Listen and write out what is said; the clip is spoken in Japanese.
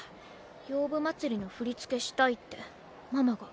「洋舞祭り」の振り付けしたいってママが。